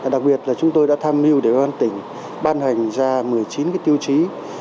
đặc biệt là chúng tôi đã tham mưu để đoàn tỉnh ban hành ra một mươi chín tiêu chí